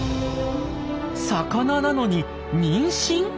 魚なのに妊娠！？